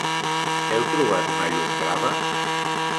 Heu trobat una llum blava?